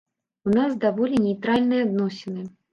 У нас даволі нейтральныя адносіны.